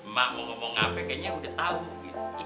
mak mau ngomong apa kayaknya udah tau gitu